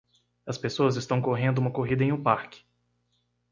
As pessoas estão correndo uma corrida em um parque.